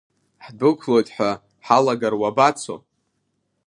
Ҳдәықәлоит ҳәа ҳалагар уабацо?